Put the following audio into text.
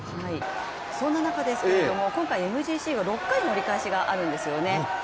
そんな中ですけれども、今回のＭＧＣは６回の折り返しがあるんですよね。